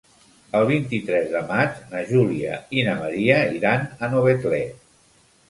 El vint-i-tres de maig na Júlia i na Maria iran a Novetlè.